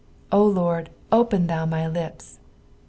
0 Lord, open thou my lips.'"